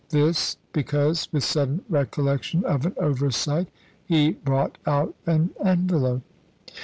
This because, with sudden recollection of an oversight, he brought out an envelope.